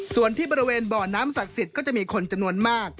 ส่วนที่บริเวณบ่อน้ำศักดิ์สิทธิ์ก็จะมีคนจำนวนมาก